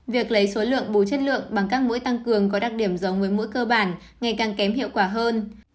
việc lấy số lượng bù chất lượng bằng các mũi tăng cường có đặc điểm giống với mũi cơ bản ngày càng kém hiệu quả hơn